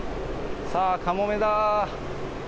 さあ、かもめだ。